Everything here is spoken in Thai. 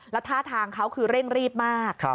แล้วท่าทางเขาคือเร่งรีบมาก